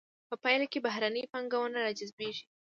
په پایله کې بهرنۍ پانګونه را جذبیږي.